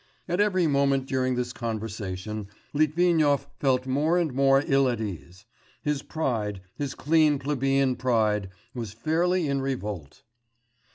At every moment during this conversation Litvinov felt more and more ill at ease. His pride, his clean plebeian pride, was fairly in revolt.